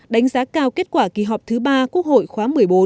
đánh giá cao kết quả kỳ họp thứ ba quốc hội khóa một mươi bốn